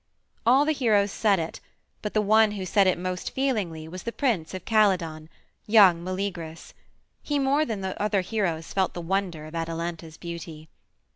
All the heroes said it, but the one who said it most feelingly was the prince of Calydon, young Meleagrus. He more than the other heroes felt the wonder of Atalanta's beauty.